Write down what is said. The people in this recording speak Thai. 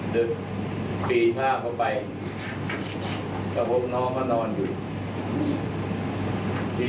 ใครรู้จักมั๊กแอฟบีก็ตรงนี้